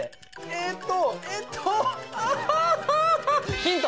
えっとえっとあはははヒント！